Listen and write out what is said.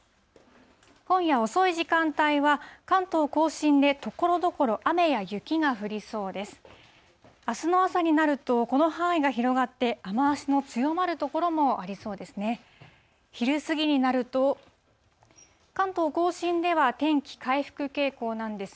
今夜遅い時間帯は、関東甲信でところどころ、雨や雪が降りそうです。